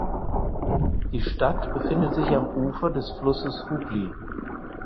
Die Stadt befindet sich am Ufer des Flusses Hugli.